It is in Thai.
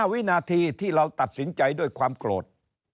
วินาทีที่เราตัดสินใจด้วยความโกรธ